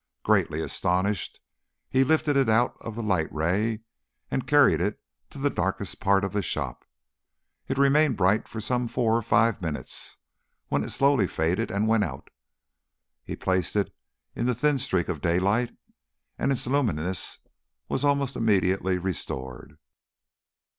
Greatly astonished, he lifted it out of the light ray and carried it to the darkest part of the shop. It remained bright for some four or five minutes, when it slowly faded and went out. He placed it in the thin streak of daylight, and its luminousness was almost immediately restored.